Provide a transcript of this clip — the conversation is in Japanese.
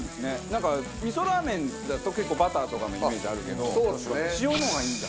なんかみそラーメンだと結構バターとかのイメージあるけど塩の方がいいんだ。